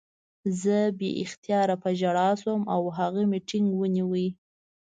زه بې اختیاره په ژړا شوم او هغه مې ټینګ ونیو